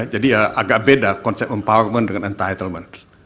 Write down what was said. jadi agak beda konsep empowerment dengan entitlement